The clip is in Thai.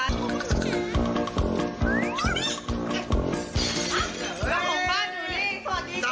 แล้วของบ้านอยู่นี่สวัสดีค่ะ